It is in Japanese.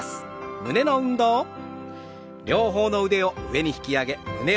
胸の運動です。